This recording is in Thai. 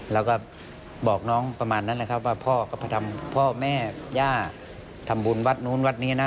แล้วก็บอกน้องประมาณนั้นแหละครับว่าพ่อก็ไปทำพ่อแม่ย่าทำบุญวัดนู้นวัดนี้นะ